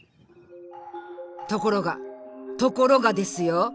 ところがところがですよ！